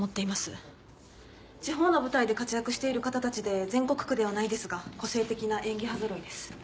地方の舞台で活躍している方たちで全国区ではないですが個性的な演技派ぞろいです。